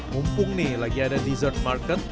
mumpung nih lagi ada dessert market